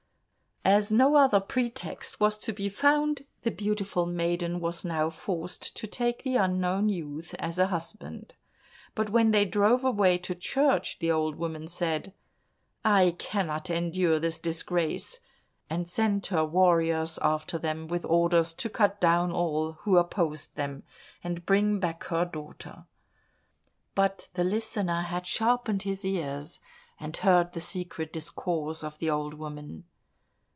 As no other pretext was to be found, the beautiful maiden was now forced to take the unknown youth as a husband. But when they drove away to church, the old woman said, "I cannot endure the disgrace," and sent her warriors after them with orders to cut down all who opposed them, and bring back her daughter. But the Listener had sharpened his ears, and heard the secret discourse of the old woman.